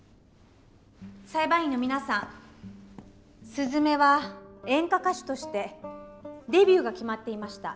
すずめは演歌歌手としてデビューが決まっていました。